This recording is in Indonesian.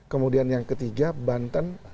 kemudian yang ketiga banten